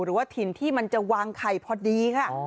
หรือว่าถิ่นที่มันจะวางไข่พอดีค่ะ